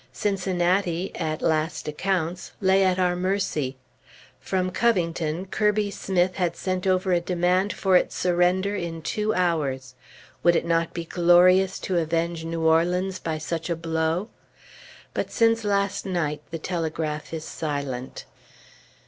Cincinnati (at last accounts) lay at our mercy. From Covington, Kirby Smith had sent over a demand for its surrender in two hours. Would it not be glorious to avenge New Orleans by such a blow? But since last night the telegraph is silent.